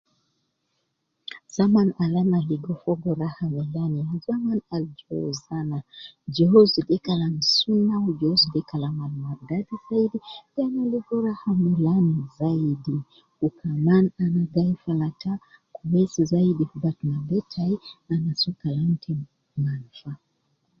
Zaman al ana ligo fogo raha milan ya zaman al jozu ana jozu de Kalam , jozu de Kalam al mardadi dukur yani uwo ligo raha milan zaidi wu kaman ana gai falta fi be tai kwesi zaidi ana soo kalam